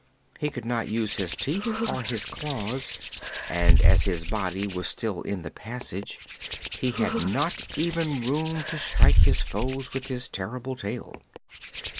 He could not use his teeth or his claws and as his body was still in the passage he had not even room to strike his foes with his terrible tail.